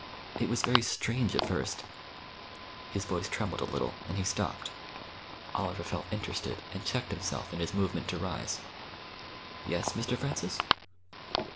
It was very strange at first " His voice trembled a little, and he stopped. Oliver felt interested, and checked himself in his movement to rise. "Yes, Mr. Francis?"